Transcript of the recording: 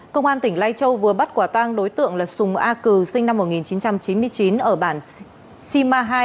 công an tỉnh lai châu vừa bắt quả tang đối tượng là sùng a cừ sinh năm một nghìn chín trăm chín mươi chín ở bản sima hai